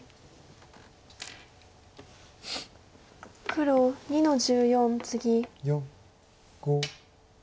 黒２の十四ツギ。